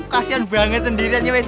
kasian banget sendiriannya wess